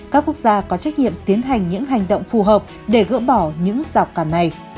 các quốc gia có trách nhiệm tiến hành những hành động phù hợp để gỡ bỏ những rào cản này